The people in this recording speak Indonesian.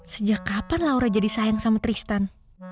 sejak kapan laura jadi sayang sama tristan